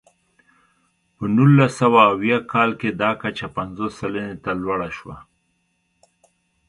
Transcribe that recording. په نولس سوه اویا کال کې دا کچه پنځوس سلنې ته لوړه شوه.